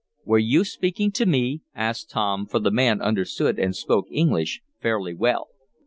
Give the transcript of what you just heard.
"Were you speaking to me?" asked Tom, for the man understood and spoke English fairly well.